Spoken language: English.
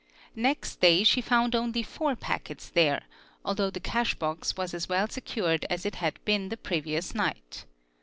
Next day she found only four packets there, although the cash box was as well secured as it had been the previous "night.